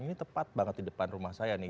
ini tepat banget di depan rumah saya nih